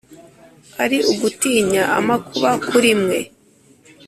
Ari ugutinya amakuba kuri mwe!"